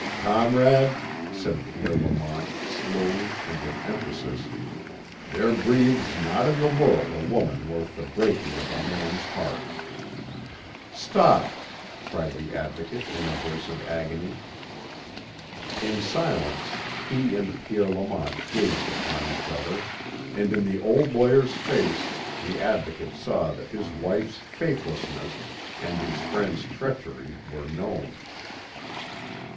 "Comrade," said Pierre Lamont, slowly and with emphasis, "there breathes not in the world a woman worth the breaking of a man's heart." "Stop!" cried the Advocate in a voice of agony. In silence he and Pierre Lamont gazed upon each other, and in the old lawyer's face the Advocate saw that his wife's faithlessness and his friend's treachery were known.